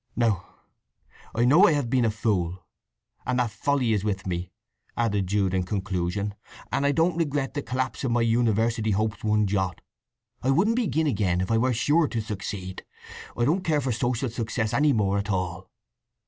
"Now I know I have been a fool, and that folly is with me," added Jude in conclusion. "And I don't regret the collapse of my university hopes one jot. I wouldn't begin again if I were sure to succeed. I don't care for social success any more at all.